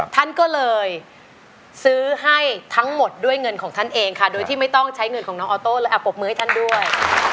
ท่านก็เลยซื้อให้ทั้งหมดด้วยเงินของท่านเองค่ะโดยที่ไม่ต้องใช้เงินของน้องออโต้และปรบมือให้ท่านด้วย